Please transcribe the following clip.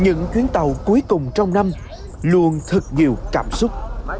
những chuyến tàu cuối cùng trong năm luôn thật nhiều cảm xúc